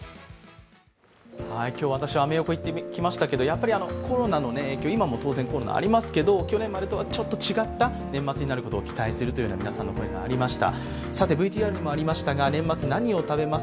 今日、私はアメ横行ってきましたけれども、コロナの影響、今もコロナ、当然ありますけど去年までとはちょっと違った年末になることを期待するという皆さんの声がありました。